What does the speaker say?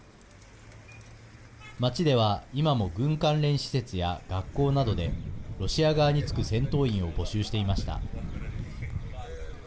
町では今も軍関連施設や学校などでロシア側につく戦闘員を募集していました。